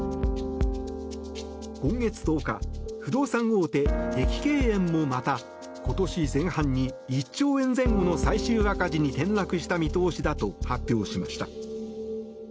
今月１０日不動産大手、碧桂園もまた今年前半に１兆円前後の最終赤字に転落した見通しだと発表しました。